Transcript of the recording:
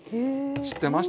知ってました？